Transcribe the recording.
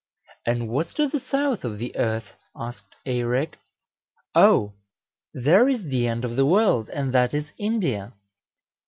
"And what's to the south of the earth?" asked Eirek. "O! there is the end of the world, and that is India."